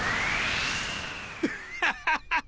ハハハハッ！